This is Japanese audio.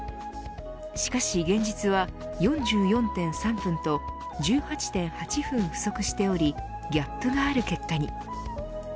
しかし現実は４４．３分と１８．８分、不足しておりギャップがある結果に。